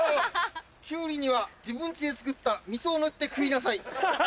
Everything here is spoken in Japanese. キュウリには自分家で作った味噌を塗って食いなさい。